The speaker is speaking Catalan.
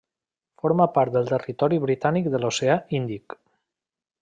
Forma part del Territori Britànic de l'Oceà Índic.